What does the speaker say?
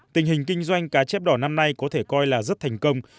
tình hình kinh doanh cá chép đỏ năm nay có thể coi là rất thành công